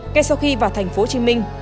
ngay sau khi vào thành phố hồ chí minh